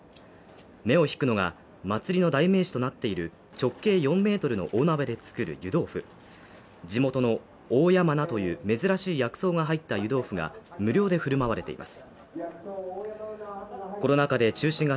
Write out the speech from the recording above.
目を引くのが、祭りの代名詞となっている直径４ｍの大鍋でつくる湯豆腐地元の大山菜という珍しい薬草が入った湯豆腐が無料で振る舞われています。